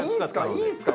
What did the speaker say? いいんすか？